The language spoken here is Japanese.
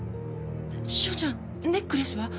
翔ちゃんネックレスは？